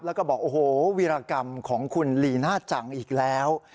แล้วก็บอกโอ้โหวีรกรรมของคุณลีน่าจังอีกแล้ว